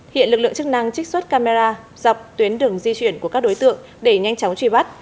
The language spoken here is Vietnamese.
hiện lực lượng chức năng trích xuất camera dọc tuyến đường di chuyển của các đối tượng để nhanh chóng truy bắt